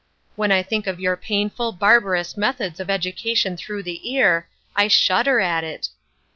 When I think of your painful, barbarous methods of education through the ear, I shudder at it.